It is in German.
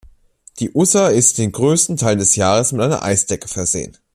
Die Ussa ist den größten Teil des Jahres mit einer Eisdecke versehen.